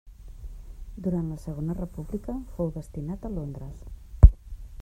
Durant la Segona República fou destinat a Londres.